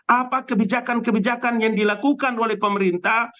apa kebijakan kebijakan yang dilakukan oleh pemerintah